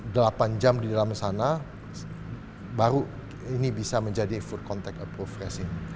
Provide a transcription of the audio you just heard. dan delapan jam di dalam sana baru ini bisa menjadi food contact approve resin